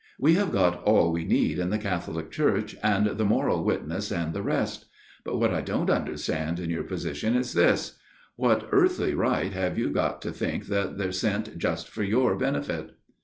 We have got all we need in the Catholic Church, and the moral wit ness, and the rest. But what I don't understand in your position is this What earthly right have you got to think that they're sent just for your benefit